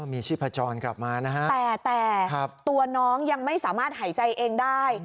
มีชีพจรกลับมานะฮะแต่ตัวน้องยังไม่สามารถหายใจเองได้